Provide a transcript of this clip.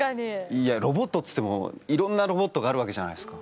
いやロボットっつってもいろんなロボットがあるわけじゃないですか。